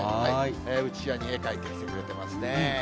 うちわに絵描いてきてくれてますね。